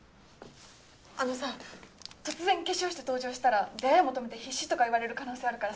あのさ突然化粧して登場したら出会い求めて必死とか言われる可能性あるからさ。